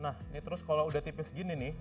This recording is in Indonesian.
nah ini terus kalau udah tipis gini nih